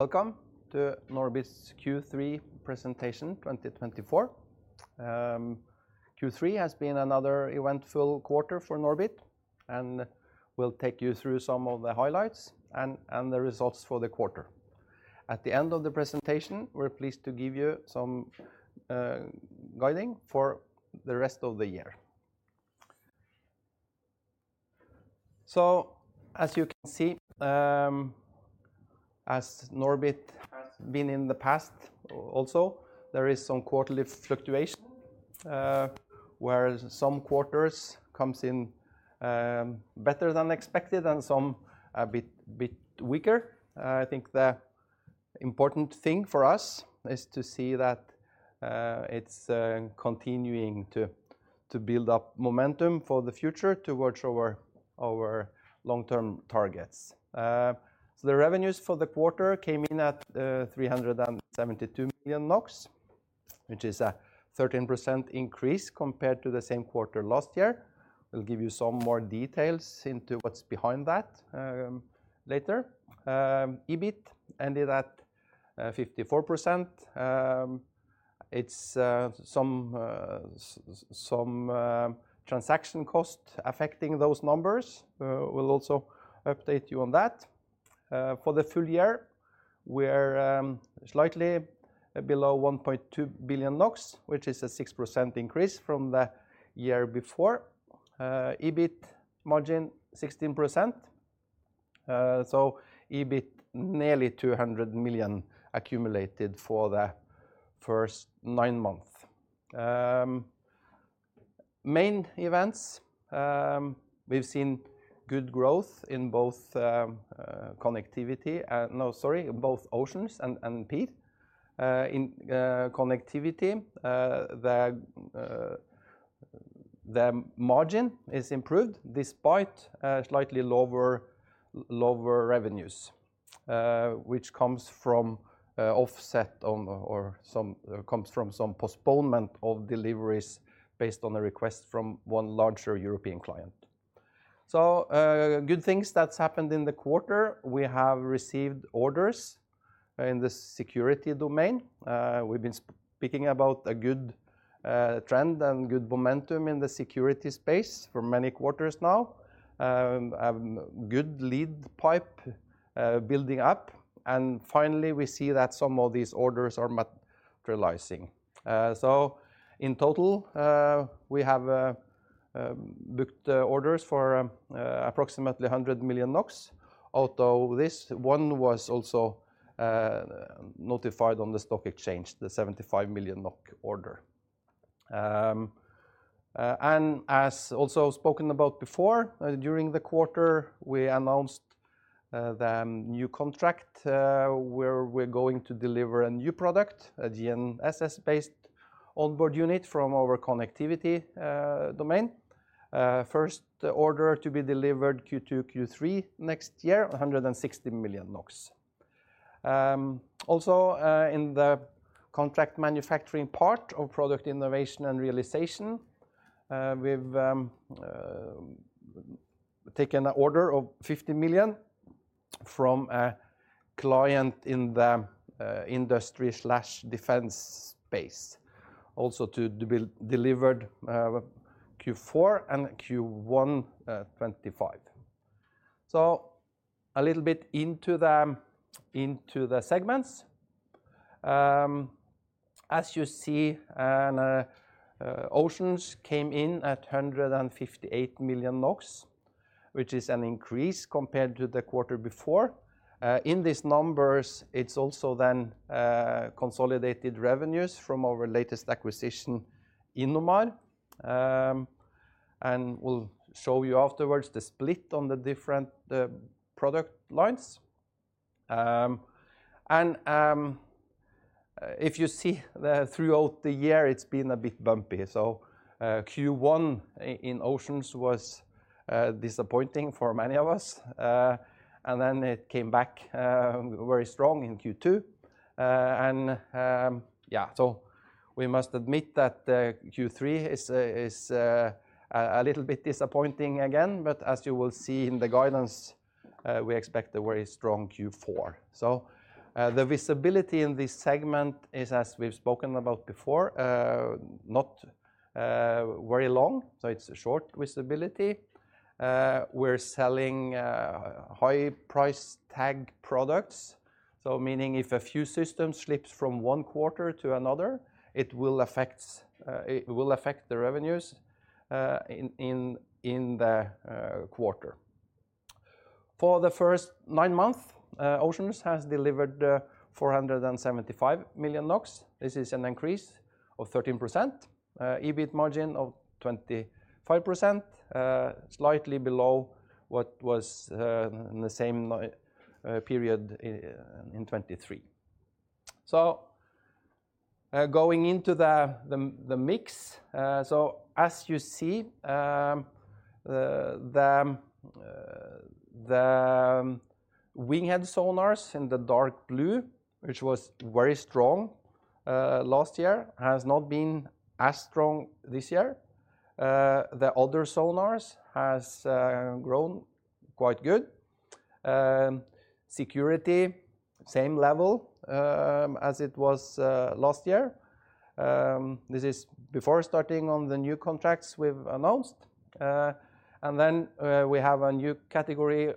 Welcome to NORBIT's Q3 presentation 2024. Q3 has been another eventful quarter for NORBIT, and we'll take you through some of the highlights and the results for the quarter. At the end of the presentation, we're pleased to give you some guidance for the rest of the year. So, as you can see, as NORBIT has been in the past also, there is some quarterly fluctuation, where some quarters come in better than expected and some a bit weaker. I think the important thing for us is to see that it's continuing to build up momentum for the future towards our long-term targets. So, the revenues for the quarter came in at 372 million NOK, which is a 13% increase compared to the same quarter last year. We'll give you some more details into what's behind that later. EBIT ended at 54%. Some transaction costs affecting those numbers will also update you on that. For the full year, we're slightly below 1.2 billion NOK, which is a 6% increase from the year before. EBIT margin 16%. So, EBIT nearly 200 million accumulated for the first nine months. Main events: we've seen good growth in both Connectivity, no, sorry, in both Oceans and PIR. In Connectivity, the margin is improved despite slightly lower revenues, which comes from offset or comes from some postponement of deliveries based on a request from one larger European client. So, good things that's happened in the quarter. We have received orders in the security domain. We've been speaking about a good trend and good momentum in the security space for many quarters now. Good pipeline building up. And finally, we see that some of these orders are materializing. So, in total, we have booked orders for approximately 100 million NOK, although this one was also notified on the stock exchange, the 75 million NOK order. And as also spoken about before, during the quarter, we announced the new contract where we're going to deliver a new product, a GNSS-based onboard unit from our Connectivity domain. First order to be delivered Q2, Q3 next year, 160 million NOK. Also, in the contract manufacturing part of Product Innovation and Realization, we've taken an order of 50 million NOK from a client in the industry/defense space, also to be delivered Q4 and Q1 2025. So, a little bit into the segments. As you see, Oceans came in at 158 million NOK, which is an increase compared to the quarter before. In these numbers, it's also then consolidated revenues from our latest acquisition, Innomar. And we'll show you afterwards the split on the different product lines. And if you see throughout the year, it's been a bit bumpy. So, Q1 in Oceans was disappointing for many of us. And then it came back very strong in Q2. And yeah, so we must admit that Q3 is a little bit disappointing again. But as you will see in the guidance, we expect a very strong Q4. So, the visibility in this segment is, as we've spoken about before, not very long. So, it's a short visibility. We're selling high-price tag products. So, meaning if a few systems slip from one quarter to another, it will affect the revenues in the quarter. For the first nine months, Oceans has delivered 475 million NOK. This is an increase of 13%. EBIT margin of 25%, slightly below what was in the same period in 2023. Going into the mix, as you see, the Winghead sonars in the dark blue, which was very strong last year, has not been as strong this year. The other sonars have grown quite good. Security, same level as it was last year. This is before starting on the new contracts we've announced. Then we have a new category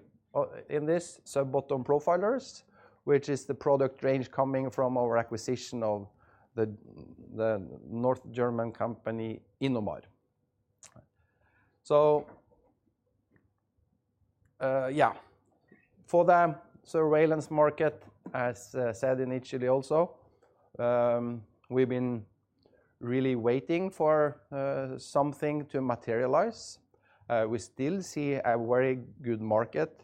in this, sub-bottom profilers, which is the product range coming from our acquisition of the German company Innomar. Yeah, for the surveillance market, as said initially also, we've been really waiting for something to materialize. We still see a very good market.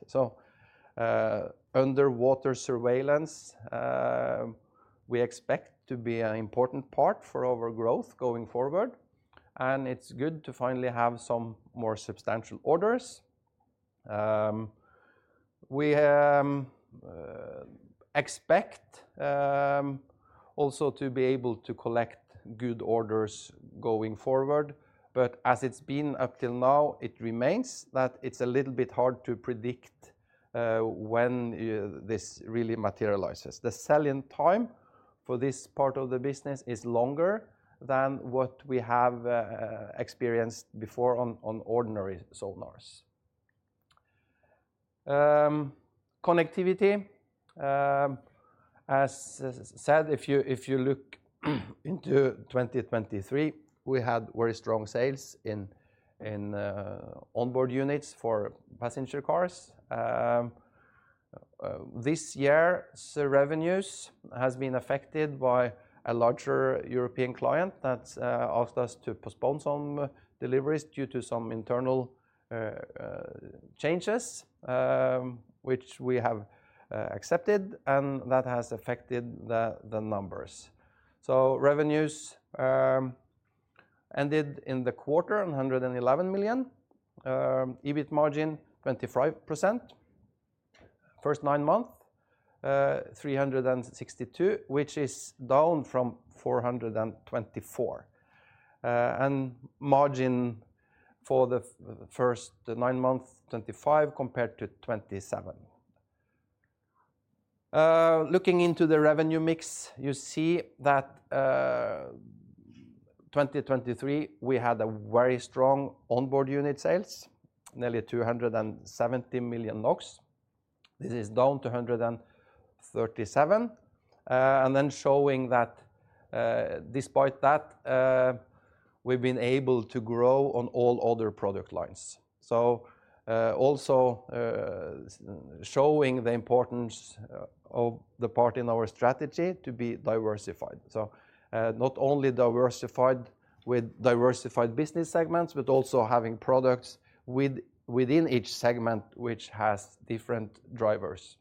Underwater surveillance, we expect to be an important part for our growth going forward. It is good to finally have some more substantial orders. We expect also to be able to collect good orders going forward. But as it's been up till now, it remains that it's a little bit hard to predict when this really materializes. The selling time for this part of the business is longer than what we have experienced before on ordinary sonars. Connectivity, as said, if you look into 2023, we had very strong sales in onboard units for passenger cars. This year, revenues have been affected by a larger European client that asked us to postpone some deliveries due to some internal changes, which we have accepted, and that has affected the numbers. So, revenues ended in the quarter at 111 million NOK. EBIT margin 25%. First nine months, 362 million NOK, which is down from 424 million NOK. And margin for the first nine months, 25% compared to 27%. Looking into the revenue mix, you see that 2023, we had a very strong onboard unit sales, nearly 270 million NOK. This is down to 137, and then showing that despite that, we've been able to grow on all other product lines, so also showing the importance of the part in our strategy to be diversified, so not only diversified with diversified business segments, but also having products within each segment, which has different drivers.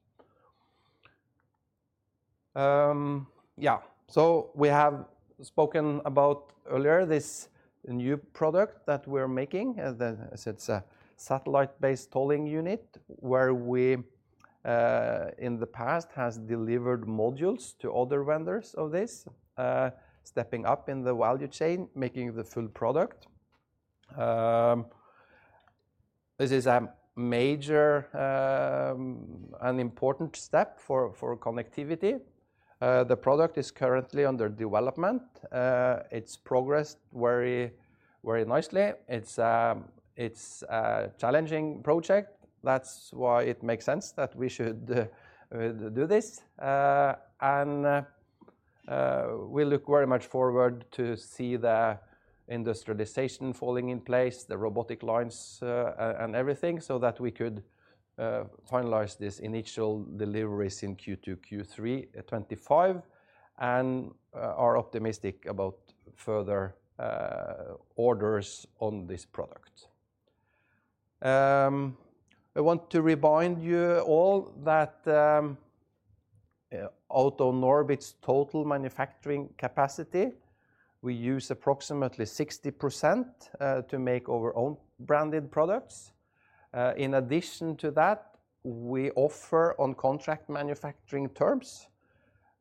Yeah, so we have spoken about earlier this new product that we're making. It's a satellite-based tolling unit, where we in the past have delivered modules to other vendors of this, stepping up in the value chain, making the full product. This is a major and important step for Connectivity. The product is currently under development. It's progressed very, very nicely. It's a challenging project. That's why it makes sense that we should do this. We look very much forward to see the industrialization falling in place, the robotic lines and everything, so that we could finalize these initial deliveries in Q2, Q3 2025. We are optimistic about further orders on this product. I want to remind you all that out of NORBIT's total manufacturing capacity, we use approximately 60% to make our own branded products. In addition to that, we offer on contract manufacturing terms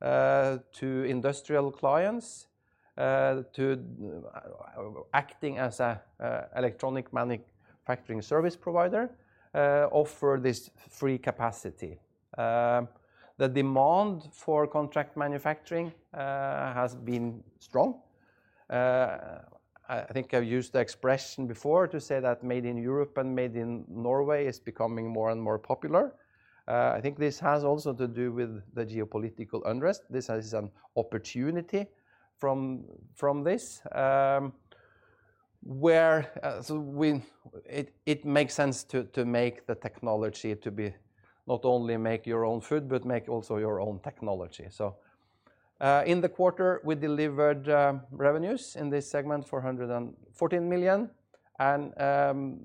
to industrial clients, to acting as an electronic manufacturing service provider, offer this free capacity. The demand for contract manufacturing has been strong. I think I've used the expression before to say that made in Europe and made in Norway is becoming more and more popular. I think this has also to do with the geopolitical unrest. This is an opportunity from this, where it makes sense to make the technology to be not only make your own food, but make also your own technology. So, in the quarter, we delivered revenues in this segment, 414 million. And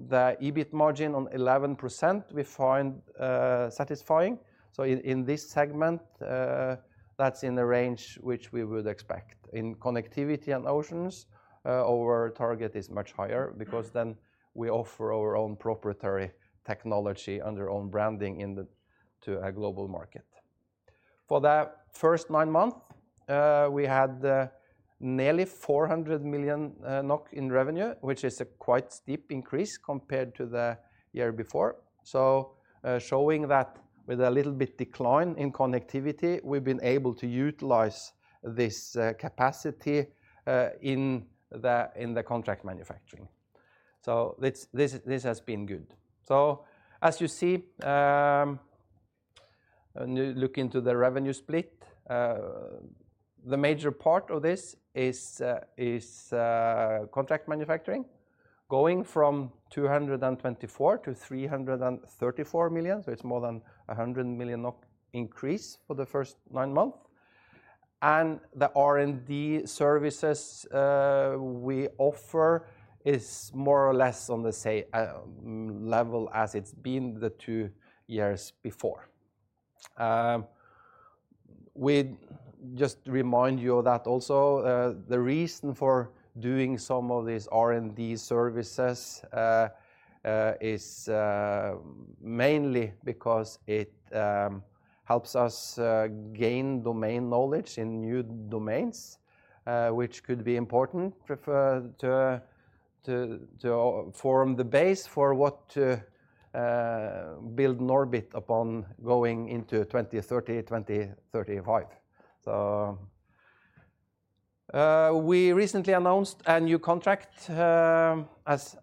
the EBIT margin on 11% we find satisfying. So, in this segment, that's in the range which we would expect. In Connectivity and Oceans, our target is much higher because then we offer our own proprietary technology under own branding to a global market. For the first nine months, we had nearly 400 million NOK in revenue, which is a quite steep increase compared to the year before. So, showing that with a little bit decline in Connectivity, we've been able to utilize this capacity in the contract manufacturing. So, this has been good. As you see, looking to the revenue split, the major part of this is contract manufacturing, going from 224 to 334 million NOK. It's more than 100 million NOK increase for the first nine months. The R&D services we offer is more or less on the same level as it's been the two years before. We just remind you of that also. The reason for doing some of these R&D services is mainly because it helps us gain domain knowledge in new domains, which could be important to form the base for what to build NORBIT upon going into 2030, 2035. We recently announced a new contract,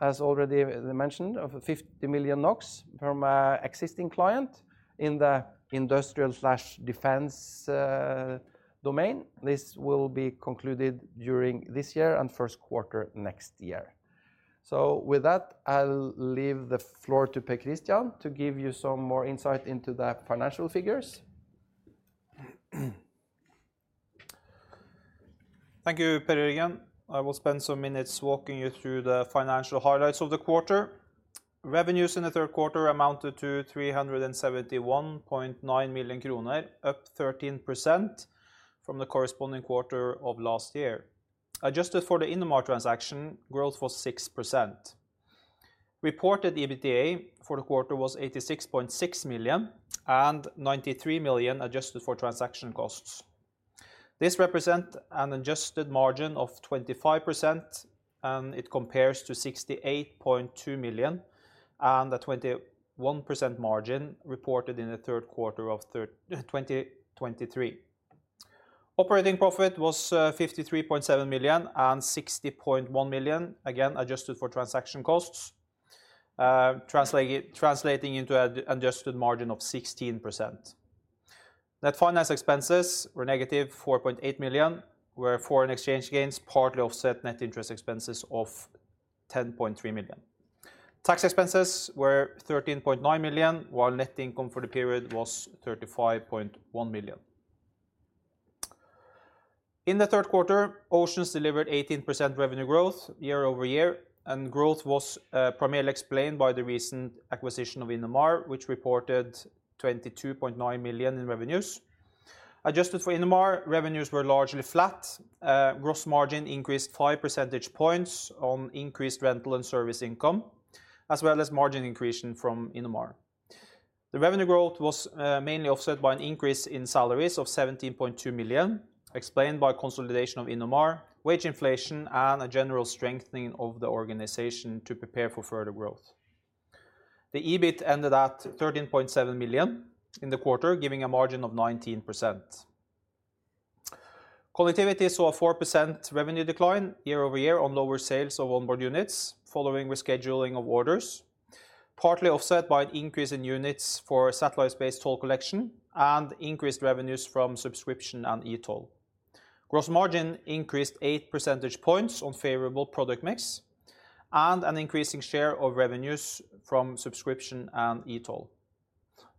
as already mentioned, of 50 million NOK from an existing client in the industrial/defense domain. This will be concluded during this year and first quarter next year. So, with that, I'll leave the floor to Per Kristian to give you some more insight into the financial figures. Thank you, Per Jørgen. I will spend some minutes walking you through the financial highlights of the quarter. Revenues in the third quarter amounted to 371.9 million kroner, up 13% from the corresponding quarter of last year. Adjusted for the Innomar transaction, growth was 6%. Reported EBITDA for the quarter was 86.6 million, and 93 million adjusted for transaction costs. This represents an adjusted margin of 25%, and it compares to 68.2 million and a 21% margin reported in the third quarter of 2023. Operating profit was 53.7 million and 60.1 million, again adjusted for transaction costs, translating into an adjusted margin of 16%. Net finance expenses were negative 4.8 million, where foreign exchange gains partly offset net interest expenses of 10.3 million. Tax expenses were 13.9 million, while net income for the period was 35.1 million. In the third quarter, Oceans delivered 18% revenue growth year over year. Growth was primarily explained by the recent acquisition of Innomar, which reported 22.9 million in revenues. Adjusted for Innomar, revenues were largely flat. Gross margin increased 5 percentage points on increased rental and service income, as well as margin increase from Innomar. The revenue growth was mainly offset by an increase in salaries of 17.2 million, explained by consolidation of Innomar, wage inflation, and a general strengthening of the organization to prepare for further growth. The EBIT ended at 13.7 million in the quarter, giving a margin of 19%. Connectivity saw a 4% revenue decline year over year on lower sales of onboard units, following rescheduling of orders, partly offset by an increase in units for satellite-based toll collection and increased revenues from subscription and e-toll. Gross margin increased 8 percentage points on favorable product mix and an increasing share of revenues from subscription and e-toll.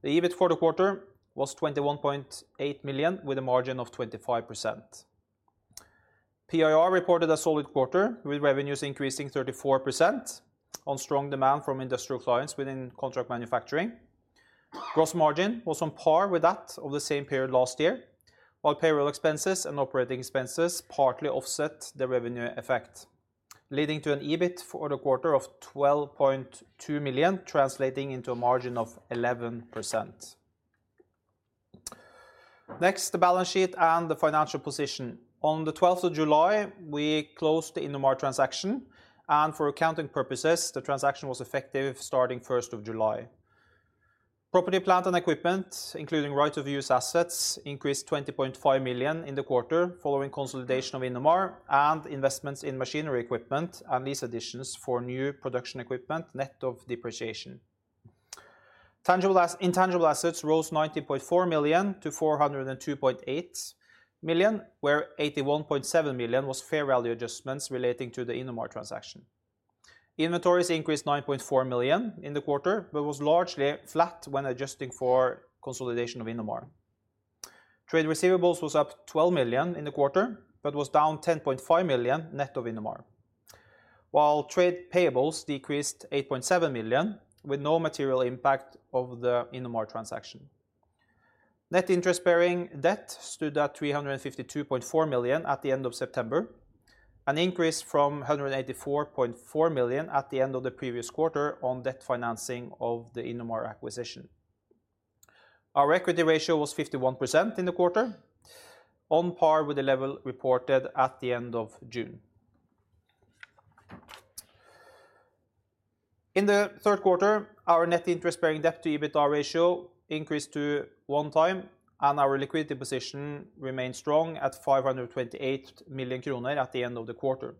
The EBIT for the quarter was 21.8 million NOK, with a margin of 25%. PIR reported a solid quarter, with revenues increasing 34% on strong demand from industrial clients within contract manufacturing. Gross margin was on par with that of the same period last year, while payroll expenses and operating expenses partly offset the revenue effect, leading to an EBIT for the quarter of 12.2 million NOK, translating into a margin of 11%. Next, the balance sheet and the financial position. On the 12th of July, we closed the Innomar transaction. For accounting purposes, the transaction was effective starting 1st of July. Property plant and equipment, including right-of-use assets, increased 20.5 million in the quarter, following consolidation of Innomar and investments in machinery equipment and lease additions for new production equipment, net of depreciation. Intangible assets rose 19.4 million to 402.8 million, where 81.7 million was fair value adjustments relating to the Innomar transaction. Inventories increased 9.4 million in the quarter, but was largely flat when adjusting for consolidation of Innomar. Trade receivables was up 12 million in the quarter, but was down 10.5 million net of Innomar, while trade payables decreased 8.7 million, with no material impact of the Innomar transaction. Net interest-bearing debt stood at 352.4 million at the end of September, an increase from 184.4 million at the end of the previous quarter on debt financing of the Innomar acquisition. Our equity ratio was 51% in the quarter, on par with the level reported at the end of June. In the third quarter, our net interest-bearing debt to EBITDA ratio increased to one time, and our liquidity position remained strong at 528 million kroner at the end of the quarter.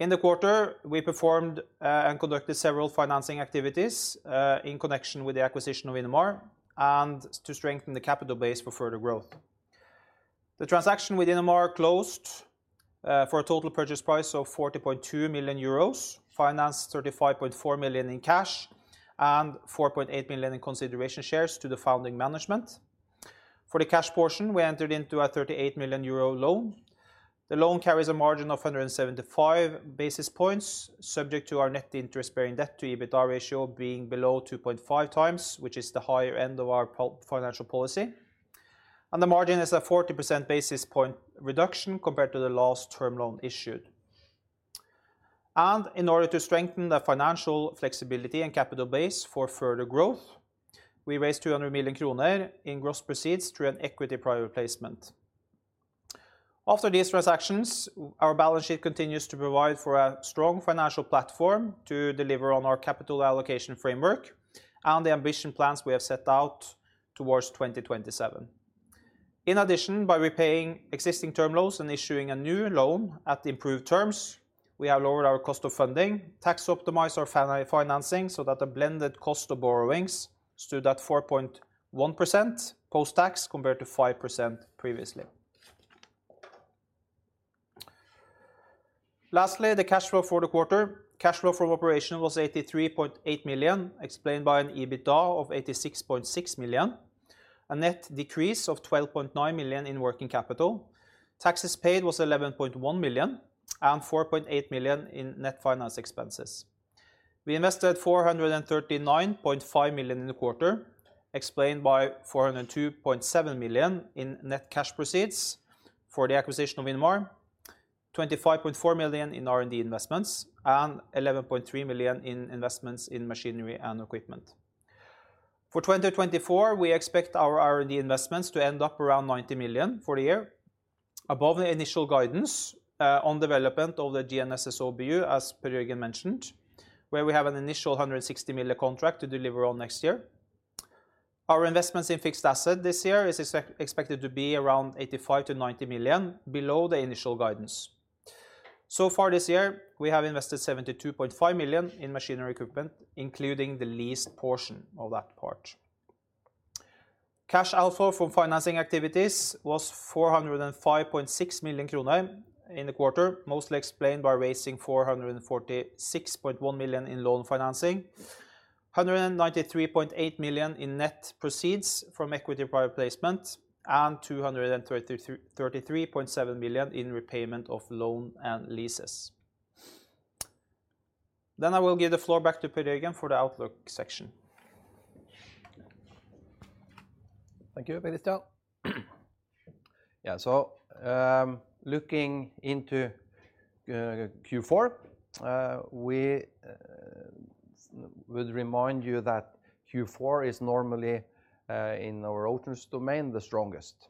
In the quarter, we performed and conducted several financing activities in connection with the acquisition of Innomar and to strengthen the capital base for further growth. The transaction with Innomar closed for a total purchase price of 40.2 million euros, financed 35.4 million in cash, and 4.8 million in consideration shares to the founding management. For the cash portion, we entered into a 38 million euro loan. The loan carries a margin of 175 basis points, subject to our net interest-bearing debt to EBITDA ratio being below 2.5 times, which is the higher end of our financial policy. And the margin is a 40 basis point reduction compared to the last term loan issued. And in order to strengthen the financial flexibility and capital base for further growth, we raised 200 million kroner in gross proceeds through a private placement. After these transactions, our balance sheet continues to provide for a strong financial platform to deliver on our capital allocation framework and the ambitious plans we have set out towards 2027. In addition, by repaying existing term loans and issuing a new loan at improved terms, we have lowered our cost of funding, tax optimized our financing so that the blended cost of borrowings stood at 4.1% post-tax compared to 5% previously. Lastly, the cash flow for the quarter. Cash flow from operations was 83.8 million, explained by an EBITDA of 86.6 million, a net decrease of 12.9 million in working capital. Taxes paid was 11.1 million and 4.8 million in net finance expenses. We invested 439.5 million in the quarter, explained by 402.7 million in net cash proceeds for the acquisition of Innomar, 25.4 million in R&D investments, and 11.3 million in investments in machinery and equipment. For 2024, we expect our R&D investments to end up around 90 million for the year, above the initial guidance on development of the GNSS OBU, as Per Jørgen mentioned, where we have an initial 160 million contract to deliver on next year. Our investments in fixed assets this year are expected to be around 85-90 million, below the initial guidance. So far this year, we have invested 72.5 million in machinery equipment, including the leased portion of that part. Cash flow from financing activities was 405.6 million kroner in the quarter, mostly explained by raising 446.1 million NOK in loan financing, 193.8 million NOK in net proceeds from private placement, and 233.7 million NOK in repayment of loan and leases. Then I will give the floor back to Per Jørgen for the outlook section. Thank you, Per Kristian. Yeah, so looking into Q4, we would remind you that Q4 is normally in our Oceans domain the strongest.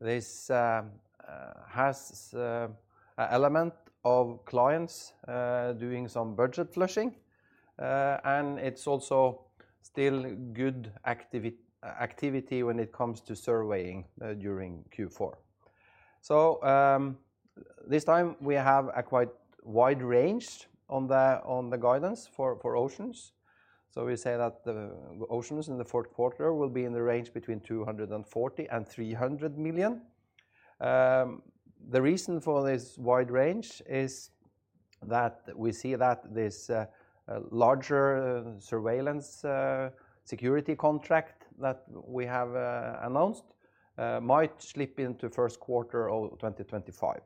This has an element of clients doing some budget flushing, and it's also still good activity when it comes to surveying during Q4. So this time, we have a quite wide range on the guidance for Oceans. So we say that the Oceans in the fourth quarter will be in the range between 240 and 300 million NOK. The reason for this wide range is that we see that this larger surveillance security contract that we have announced might slip into first quarter of 2025.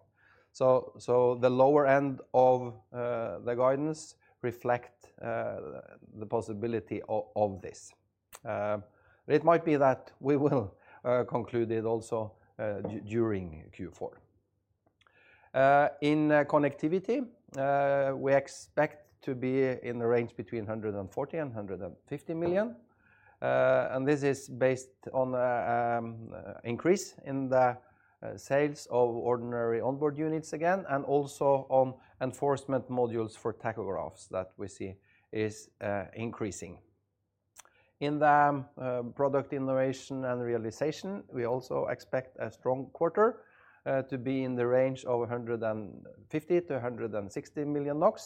So the lower end of the guidance reflects the possibility of this. It might be that we will conclude it also during Q4. In Connectivity, we expect to be in the range between 140 and 150 million NOK. And this is based on an increase in the sales of ordinary onboard units again, and also on enforcement modules for tachographs that we see is increasing. In the Product Innovation and Realization, we also expect a strong quarter to be in the range of 150-160 million NOK.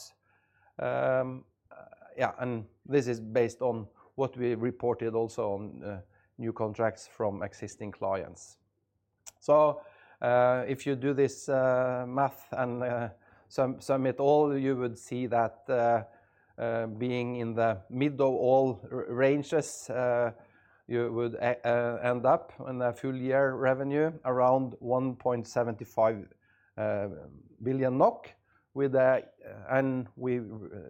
Yeah, and this is based on what we reported also on new contracts from existing clients. So if you do this math and sum it all, you would see that being in the middle all ranges, you would end up in a full year revenue around 1.75 billion NOK. And we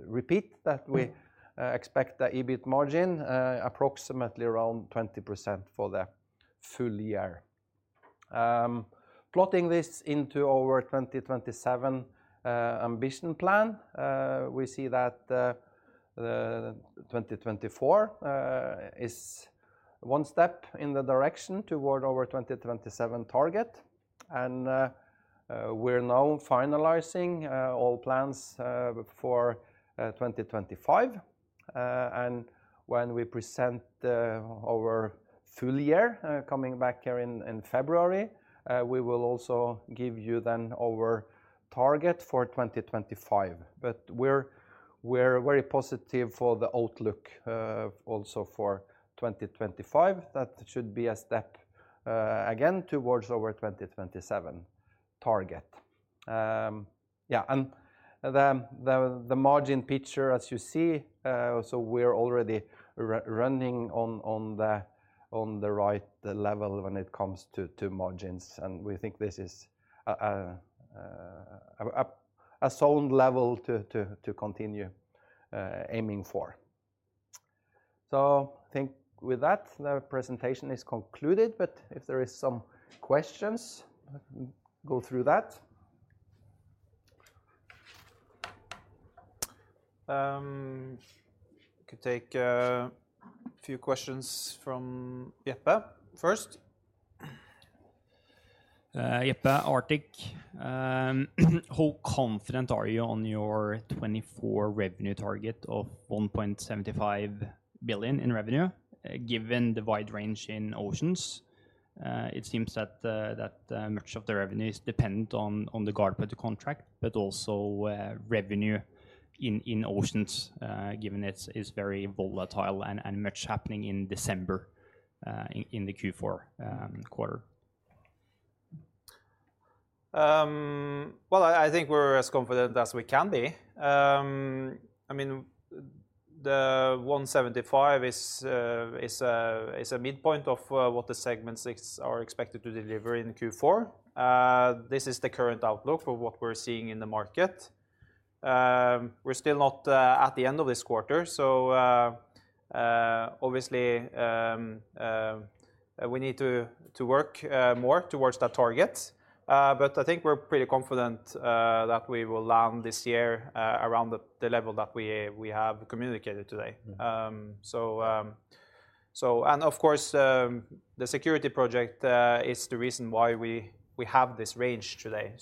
repeat that we expect the EBIT margin approximately around 20% for the full year. Plotting this into our 2027 ambition plan, we see that 2024 is one step in the direction toward our 2027 target. And we're now finalizing all plans for 2025. And when we present our full year coming back here in February, we will also give you then our target for 2025. But we're very positive for the outlook also for 2025. That should be a step again towards our 2027 target. Yeah, and the margin picture, as you see, so we're already running on the right level when it comes to margins. We think this is a sound level to continue aiming for. So I think with that, the presentation is concluded. If there are some questions, go through that. We could take a few questions from Jeppe first. Jeppe, Arctic, how confident are you on your 2024 revenue target of 1.75 billion NOK in revenue? Given the wide range in Oceans, it seems that much of the revenue is dependent on the GuardPoint contract, but also revenue in Oceans, given it's very volatile and much happening in December in the Q4 quarter. I think we're as confident as we can be. I mean, the 175 is a midpoint of what the segments are expected to deliver in Q4. This is the current outlook for what we're seeing in the market. We're still not at the end of this quarter. So obviously, we need to work more towards that target. I think we're pretty confident that we will land this year around the level that we have communicated today. The security project is the reason why we have this range today.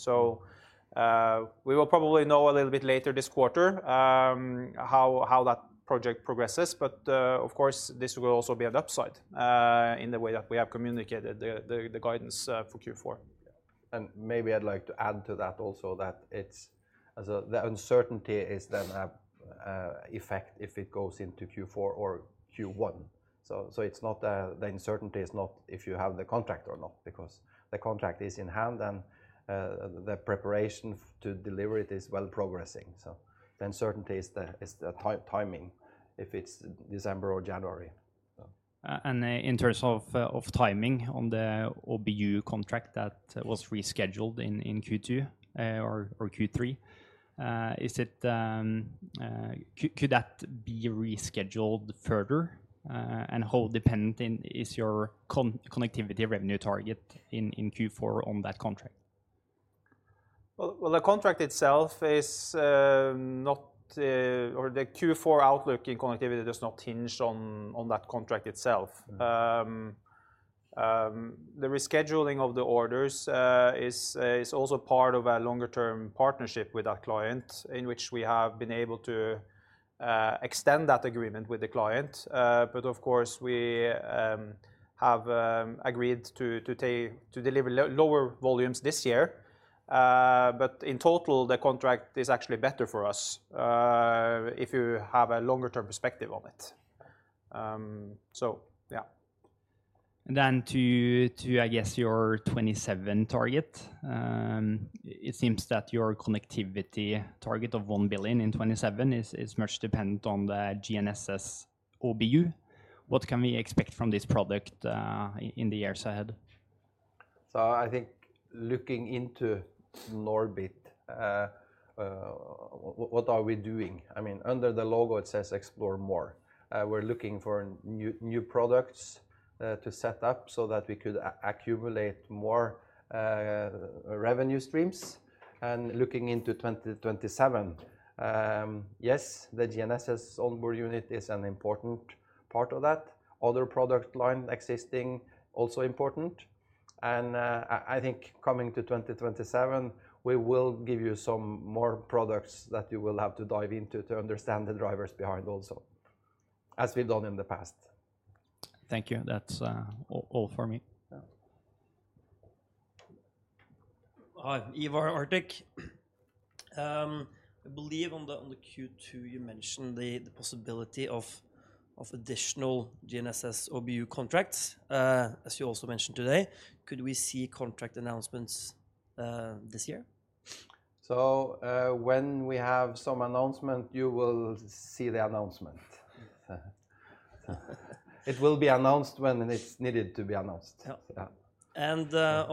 We will probably know a little bit later this quarter how that project progresses. This will also be an upside in the way that we have communicated the guidance for Q4. Maybe I'd like to add to that also that the uncertainty is then an effect if it goes into Q4 or Q1. The uncertainty is not if you have the contract or not, because the contract is in hand and the preparation to deliver it is well progressing. The uncertainty is the timing, if it's December or January. In terms of timing on the OBU contract that was rescheduled in Q2 or Q3, could that be rescheduled further? And how dependent is your Connectivity revenue target in Q4 on that contract? The contract itself is not, or the Q4 outlook in Connectivity does not hinge on that contract itself. The rescheduling of the orders is also part of a longer-term partnership with our client, in which we have been able to extend that agreement with the client. But of course, we have agreed to deliver lower volumes this year. But in total, the contract is actually better for us if you have a longer-term perspective on it. So yeah. To, I guess, your 2027 target, it seems that your Connectivity target of 1 billion in 2027 is much dependent on the GNSS OBU. What can we expect from this product in the years ahead? So I think looking into NORBIT, what are we doing? I mean, under the logo, it says explore more. We're looking for new products to set up so that we could accumulate more revenue streams. And looking into 2027, yes, the GNSS onboard unit is an important part of that. Other product line existing also important. And I think coming to 2027, we will give you some more products that you will have to dive into to understand the drivers behind also, as we've done in the past. Thank you. That's all for me. Hi, Ivar Arctic. I believe on the Q2, you mentioned the possibility of additional GNSSOBU contracts, as you also mentioned today. Could we see contract announcements this year? So when we have some announcement, you will see the announcement. It will be announced when it's needed to be announced. Yeah.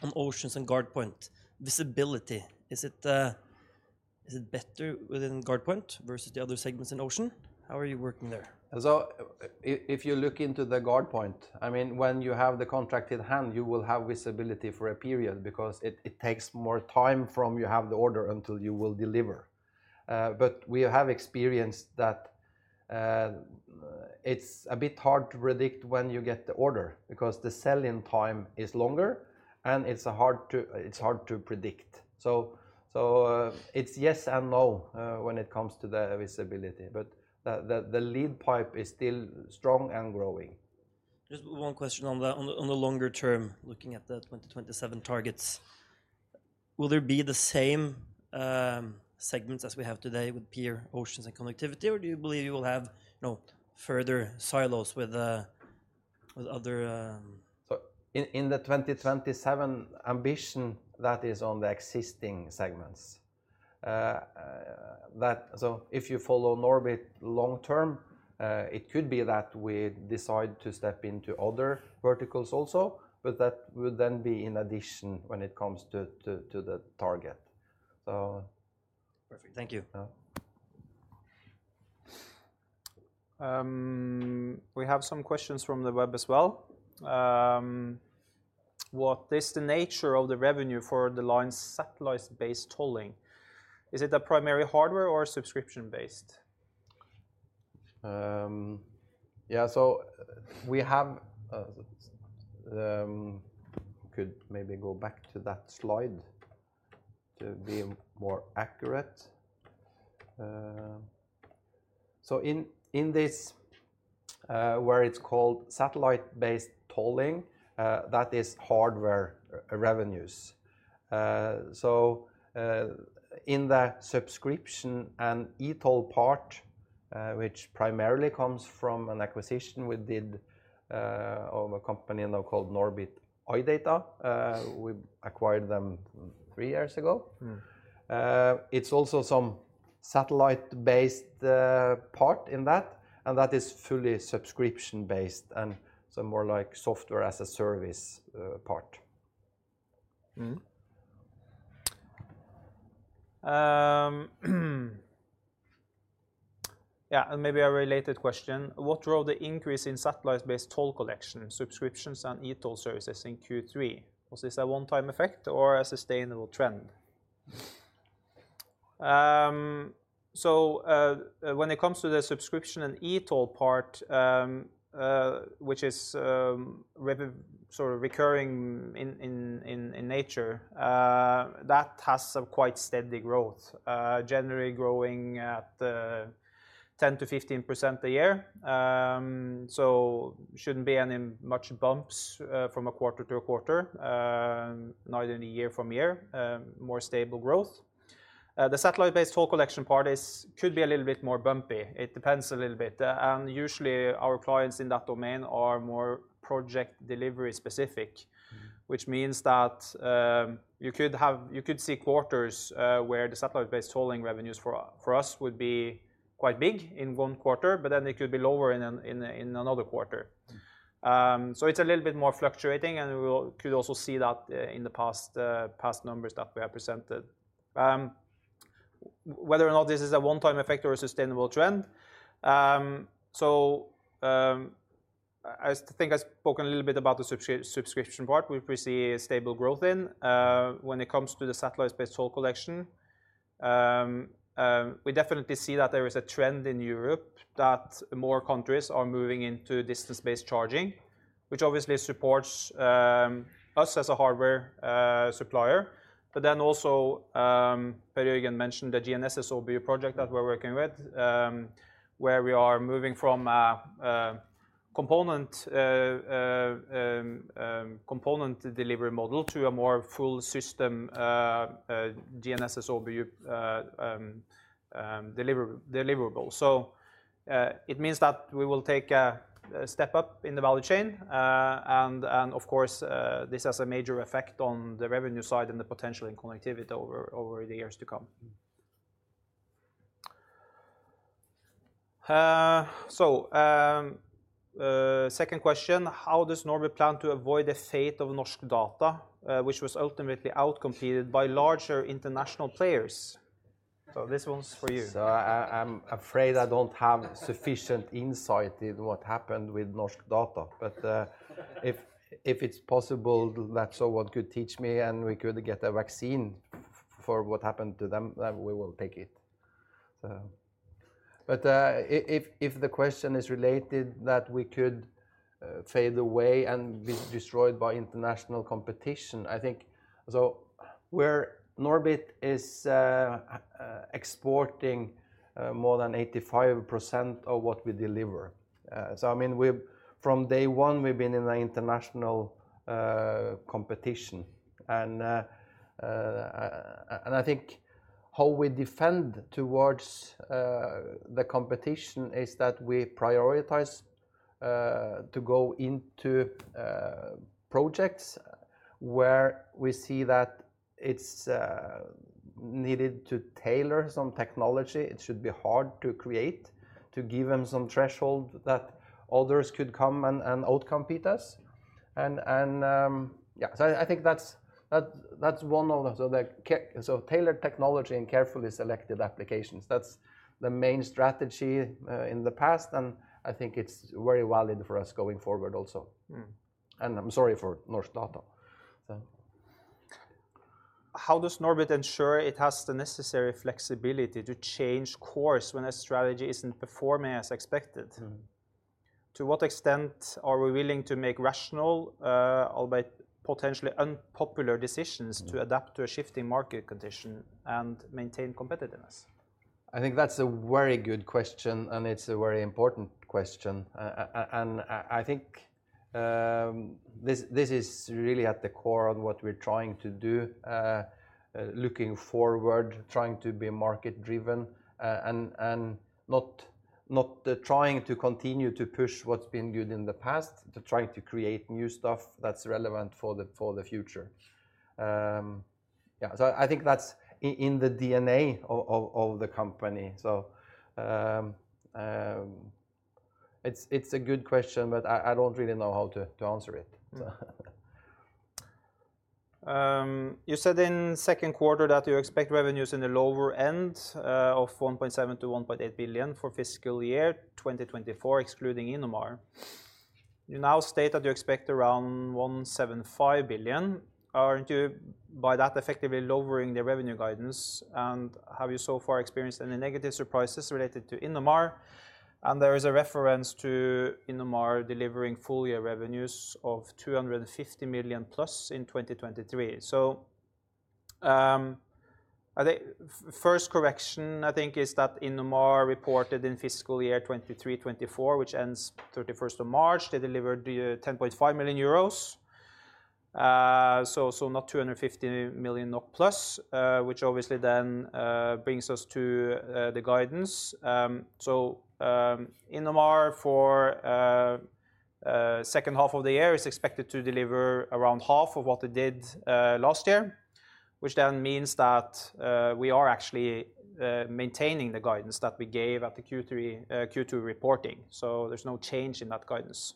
On Oceans and GuardPoint, visibility, is it better within GuardPoint versus the other segments in Oceans? How are you working there? If you look into the GuardPoint, I mean, when you have the contract in hand, you will have visibility for a period because it takes more time from you have the order until you will deliver. But we have experienced that it's a bit hard to predict when you get the order because the selling time is longer and it's hard to predict. It's yes and no when it comes to the visibility. But the pipeline is still strong and growing. Just one question on the longer term, looking at the 2027 targets, will there be the same segments as we have today with PIR, Oceans, and Connectivity, or do you believe you will have further silos with other? In the 2027 ambition, that is on the existing segments. So if you follow NORBIT long-term, it could be that we decide to step into other verticals also, but that would then be in addition when it comes to the target. So perfect. Thank you. We have some questions from the web as well. What is the nature of the revenue for the line satellite-based tolling? Is it primarily hardware or subscription-based? Yeah, so we have, could maybe go back to that slide to be more accurate. So in this where it's called satellite-based tolling, that is hardware revenues. So in the subscription and e-toll part, which primarily comes from an acquisition we did of a company now called NORBIT iData, we acquired them three years ago. It's also some satellite-based part in that, and that is fully subscription-based and so more like software as a service part. Yeah, and maybe a related question. What drove the increase in satellite-based toll collection, subscriptions, and e-toll services in Q3? Was this a one-time effect or a sustainable trend? So when it comes to the subscription and e-toll part, which is sort of recurring in nature, that has quite steady growth, generally growing at 10%-15% a year. So shouldn't be any much bumps from a quarter to a quarter, not in a year from year, more stable growth. The satellite-based toll collection parties could be a little bit more bumpy. It depends a little bit. And usually, our clients in that domain are more project delivery specific, which means that you could see quarters where the satellite-based tolling revenues for us would be quite big in one quarter, but then it could be lower in another quarter. So it's a little bit more fluctuating, and we could also see that in the past numbers that we have presented, whether or not this is a one-time effect or a sustainable trend, so I think I spoke a little bit about the subscription part, which we see stable growth in. When it comes to the satellite-based toll collection, we definitely see that there is a trend in Europe that more countries are moving into distance-based charging, which obviously supports us as a hardware supplier. But then also, Per Jørgen mentioned the GNSS OBU project that we're working with, where we are moving from a component delivery model to a more full system GNSS OBU deliverable. So it means that we will take a step up in the value chain. And of course, this has a major effect on the revenue side and the potential in Connectivity over the years to come. So second question, how does NORBIT plan to avoid the fate of Norsk Data, which was ultimately outcompeted by larger international players? So this one's for you. So I'm afraid I don't have sufficient insight in what happened with Norsk Data. But if it's possible that someone could teach me and we could get a vaccine for what happened to them, then we will take it. But if the question is related that we could fade away and be destroyed by international competition, I think so where NORBIT is exporting more than 85% of what we deliver. So I mean, from day one, we've been in an international competition. And I think how we defend towards the competition is that we prioritize to go into projects where we see that it's needed to tailor some technology. It should be hard to create, to give them some threshold that others could come and outcompete us. And yeah, so I think that's one of the so tailored technology and carefully selected applications. That's the main strategy in the past, and I think it's very valid for us going forward also. And I'm sorry for Norsk Data. How does NORBIT ensure it has the necessary flexibility to change course when a strategy isn't performing as expected? To what extent are we willing to make rational, albeit potentially unpopular decisions to adapt to a shifting market condition and maintain competitiveness? I think that's a very good question, and it's a very important question. I think this is really at the core of what we're trying to do, looking forward, trying to be market-driven, and not trying to continue to push what's been good in the past, but trying to create new stuff that's relevant for the future. Yeah, so I think that's in the DNA of the company. So it's a good question, but I don't really know how to answer it. You said in second quarter that you expect revenues in the lower end of 1.7 billion-1.8 billion for fiscal year 2024, excluding Innomar. You now state that you expect around 1.75 billion. Aren't you by that effectively lowering the revenue guidance? Have you so far experienced any negative surprises related to Innomar? There is a reference to Innomar delivering full year revenues of 250 million EUR plus in 2023. First correction, I think, is that Innomar reported in fiscal year 2023-2024, which ends 31st of March, they delivered 10.5 million euros. Not 250 million EUR plus, which obviously then brings us to the guidance. Innomar for the second half of the year is expected to deliver around half of what it did last year, which then means that we are actually maintaining the guidance that we gave at the Q2 reporting. There's no change in that guidance.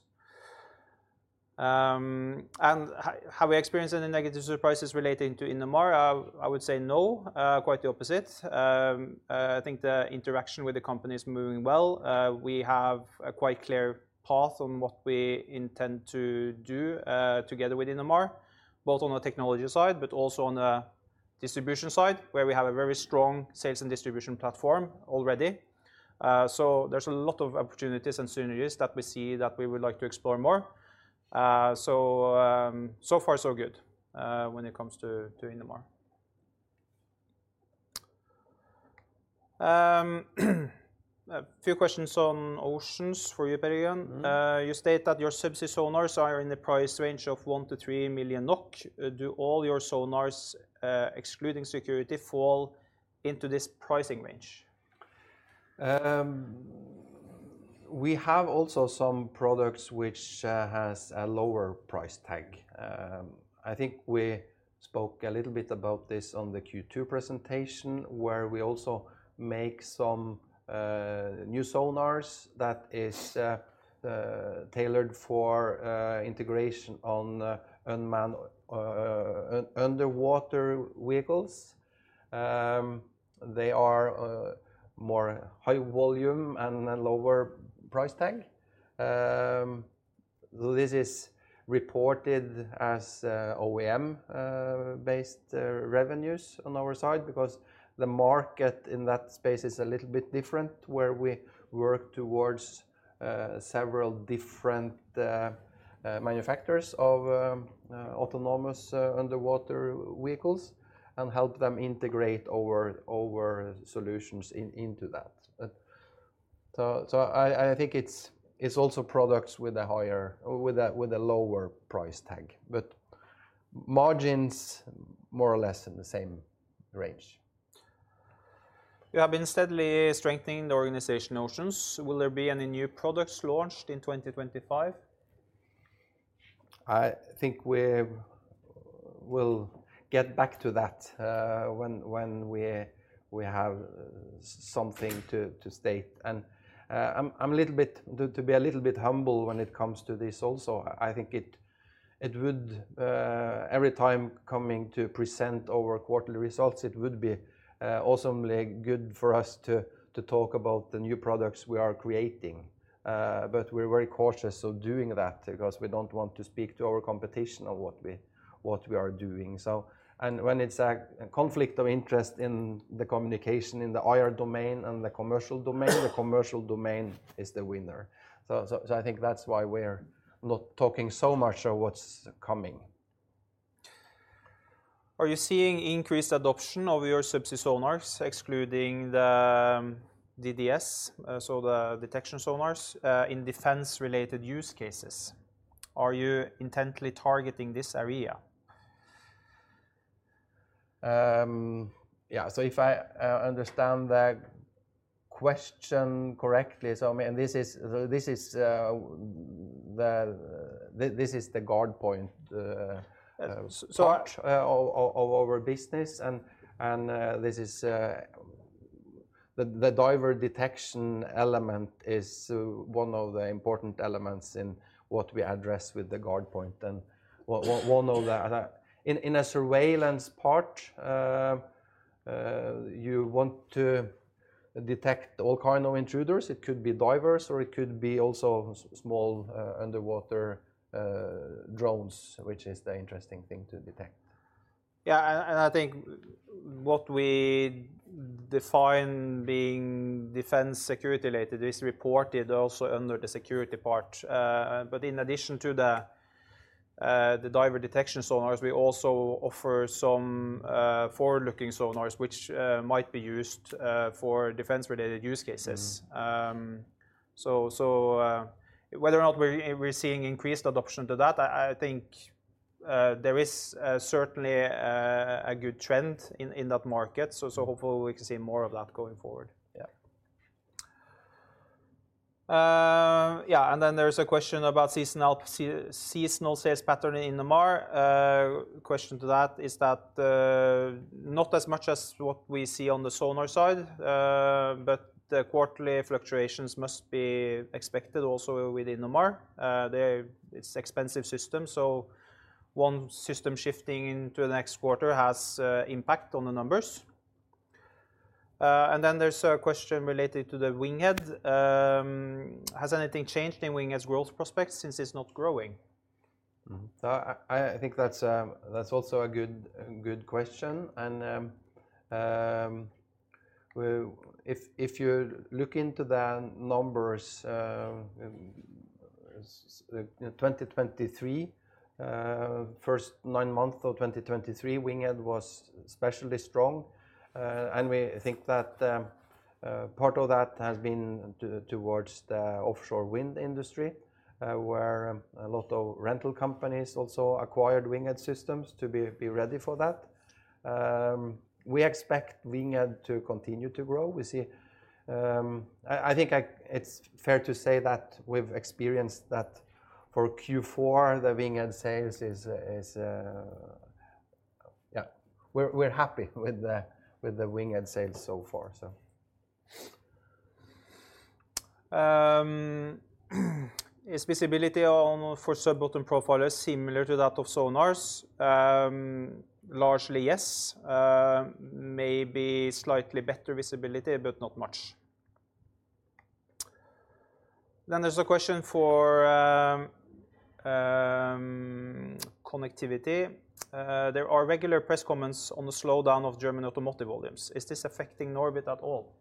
Have we experienced any negative surprises relating to Innomar? I would say no, quite the opposite. I think the interaction with the company is moving well. We have a quite clear path on what we intend to do together with Innomar, both on the technology side, but also on the distribution side, where we have a very strong sales and distribution platform already. So there's a lot of opportunities and synergies that we see that we would like to explore more. So far, so good when it comes to Innomar. A few questions on Oceans for you, Per Jørgen. You state that your subsea sonars are in the price range of 1-3 million NOK. Do all your sonars, excluding security, fall into this pricing range? We have also some products which have a lower price tag. I think we spoke a little bit about this on the Q2 presentation, where we also make some new sonars that are tailored for integration on underwater vehicles. They are more high volume and lower price tag. This is reported as OEM-based revenues on our side because the market in that space is a little bit different, where we work towards several different manufacturers of autonomous underwater vehicles and help them integrate our solutions into that. So I think it's also products with a lower price tag, but margins more or less in the same range. You have been steadily strengthening the organization Oceans. Will there be any new products launched in 2025? I think we will get back to that when we have something to state. And I'm a little bit to be a little bit humble when it comes to this also. I think it would, every time coming to present our quarterly results, it would be awesomely good for us to talk about the new products we are creating. But we're very cautious of doing that because we don't want to speak to our competition on what we are doing, and when it's a conflict of interest in the communication in the IR domain and the commercial domain, the commercial domain is the winner, so I think that's why we're not talking so much of what's coming. Are you seeing increased adoption of your subsea sonars, excluding the DDS, so the detection sonars, in defense-related use cases? Are you intently targeting this area? Yeah, so if I understand the question correctly, so I mean, this is the GuardPoint part of our business, and this is the diver detection element is one of the important elements in what we address with the GuardPoint, and one of them in the surveillance part, you want to detect all kinds of intruders. It could be divers, or it could be also small underwater drones, which is the interesting thing to detect. Yeah, and I think what we define being defense security-related is reported also under the security part. But in addition to the diver detection sonars, we also offer some forward-looking sonars, which might be used for defense-related use cases. So whether or not we're seeing increased adoption to that, I think there is certainly a good trend in that market. So hopefully, we can see more of that going forward. Yeah. Yeah, and then there's a question about seasonal sales pattern in Innomar. Question to that is that not as much as what we see on the sonar side, but the quarterly fluctuations must be expected also with Innomar. It's an expensive system, so one system shifting into the next quarter has an impact on the numbers. And then there's a question related to the Winghead. Has anything changed in Winghead's growth prospects since it's not growing? I think that's also a good question. And if you look into the numbers, 2023, first nine months of 2023, Winghead was especially strong. And we think that part of that has been towards the offshore wind industry, where a lot of rental companies also acquired Winghead systems to be ready for that. We expect Winghead to continue to grow. I think it's fair to say that we've experienced that for Q4, the Winghead sales is yeah, we're happy with the Winghead sales so far, so. Is visibility for sub-bottom profilers similar to that of sonars? Largely, yes. Maybe slightly better visibility, but not much. Then there's a question for Connectivity. There are regular press comments on the slowdown of German automotive volumes. Is this affecting NORBIT at all?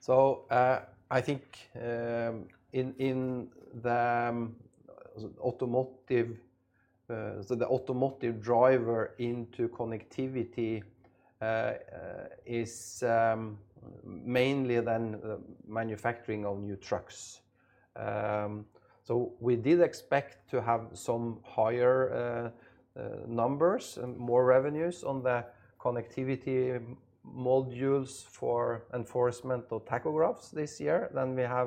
So I think in the automotive driver into Connectivity is mainly then manufacturing of new trucks. So we did expect to have some higher numbers and more revenues on the Connectivity modules for enforcement of tachographs this year than we have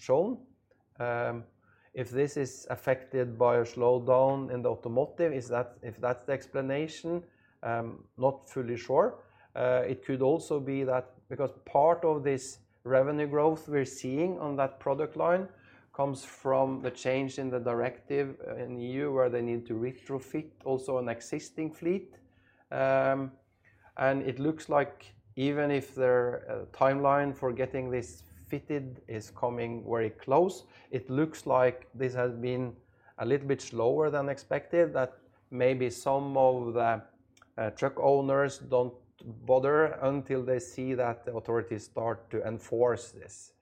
shown. If this is affected by a slowdown in the automotive, if that's the explanation, not fully sure. It could also be that because part of this revenue growth we're seeing on that product line comes from the change in the directive in EU, where they need to retrofit also an existing fleet. And it looks like even if their timeline for getting this fitted is coming very close, it looks like this has been a little bit slower than expected, that maybe some of the truck owners don't bother until they see that the authorities start to enforce this.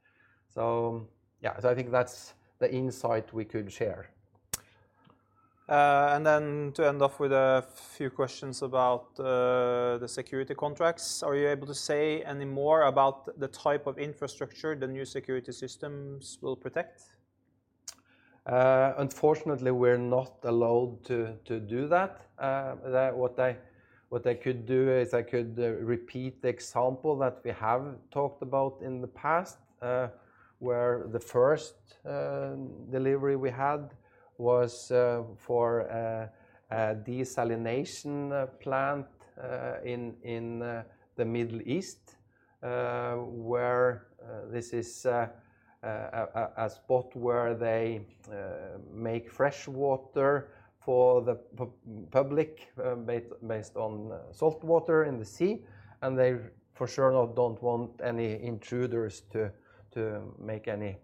So yeah, so I think that's the insight we could share. And then to end off with a few questions about the security contracts, are you able to say any more about the type of infrastructure the new security systems will protect? Unfortunately, we're not allowed to do that. What they could do is they could repeat the example that we have talked about in the past, where the first delivery we had was for a desalination plant in the Middle East, where this is a spot where they make fresh water for the public based on salt water in the sea. And they for sure don't want any intruders to make any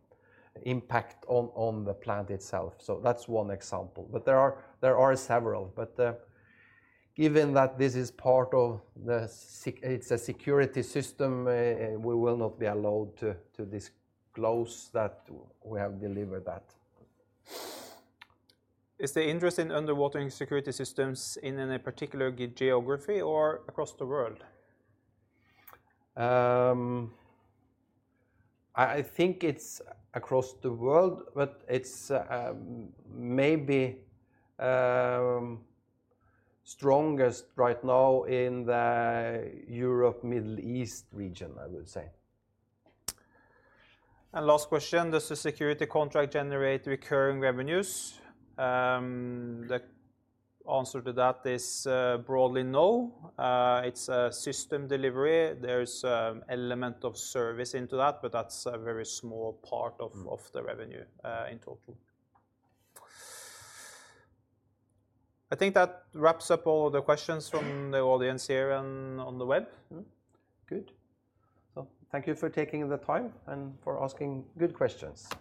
impact on the plant itself. So that's one example. But there are several. But given that this is part of it, it's a security system, we will not be allowed to disclose that we have delivered that. Is the interest in underwater security systems in any particular geography or across the world? I think it's across the world, but it's maybe strongest right now in the Europe-Middle East region, I would say. And last question, does the security contract generate recurring revenues? The answer to that is broadly no. It's a system delivery. There's an element of service into that, but that's a very small part of the revenue in total. I think that wraps up all of the questions from the audience here and on the web. Good, so thank you for taking the time and for asking good questions.